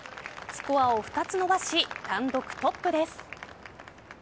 スコアを２つ伸ばし単独トップです。